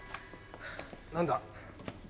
何だ？